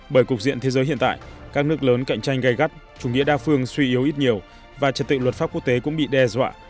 bởi cục diện thế giới hiện tại các nước lớn cạnh tranh gây gắt chủ nghĩa đa phương suy yếu ít nhiều và trật tự luật pháp quốc tế cũng bị đe dọa